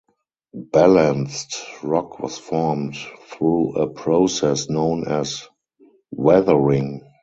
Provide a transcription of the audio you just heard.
Balanced rock was formed through a process known as weathering.